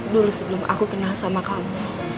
dulu sebelum aku kenal sama kamu